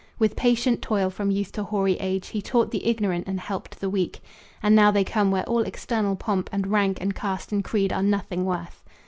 With patient toil from youth to hoary age He taught the ignorant and helped the weak. And now they come where all external pomp And rank and caste and creed are nothing worth.